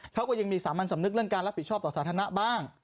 เขาก็ยังมีสามัญสำนึกเรื่องการรับผิดชอบต่อสาธารณะบ้าง